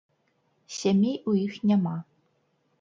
Сямей у іх няма.